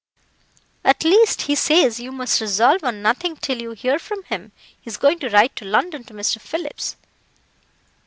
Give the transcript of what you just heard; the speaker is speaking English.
"At least, he says you must resolve on nothing till you hear from him. He is going to write to London to Mr. Phillips."